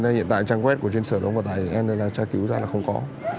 hiện tại trang quét của trên sở đông vận tải em tra cứu ra là không có